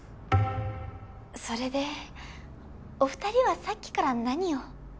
それでお二人はさっきから何を？